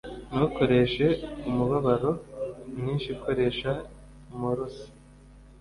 ntukoreshe umubabaro mwinshi, koresha morose